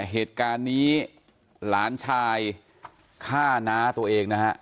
เหตุการณ์นี้หลานชายฆ่าน้าตัวเองนะฮะ